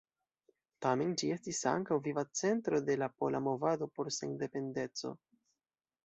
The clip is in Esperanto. Tamen ĝi estis ankaŭ viva centro de la pola movado por sendependeco.